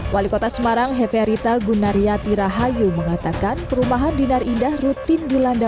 wali kota semarang heferita gunaryati rahayu mengatakan perumahan dinar indah rutin dilanda